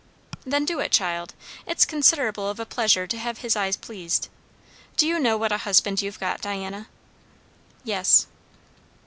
"Then do it, child. It's considerable of a pleasure to have his eyes pleased. Do you know what a husband you've got, Diana?" "Yes."